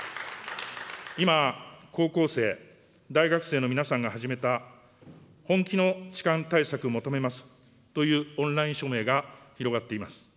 今、高校生、大学生の皆さんが始めた本気の痴漢対策求めますというオンライン署名が広がっています。